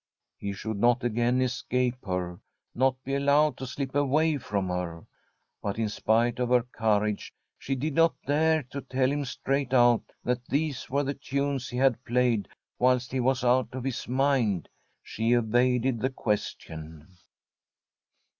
He should not again escape her, not be allowed to slip away from her. But in spite of her courage she did not dare to tell him straight out that these were the tunes he had played whilst he was out of his mind ; she evaded the question.